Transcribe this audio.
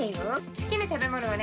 好きな食べ物はね